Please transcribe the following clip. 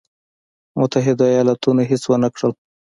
متحدو ایالتونو هېڅ ونه کړل.